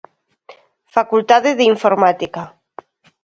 Facultade de Informática.